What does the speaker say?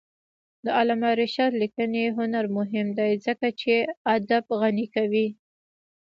د علامه رشاد لیکنی هنر مهم دی ځکه چې ادب غني کوي.